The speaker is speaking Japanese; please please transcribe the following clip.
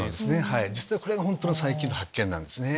実はこれが本当の最近の発見なんです。